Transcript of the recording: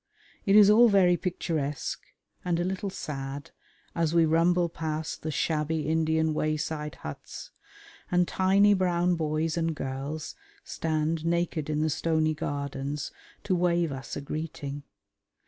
It is all very picturesque, and a little sad, as we rumble past the shabby Indian wayside huts, and tiny brown boys and girls stand naked in the stony gardens to wave us a greeting.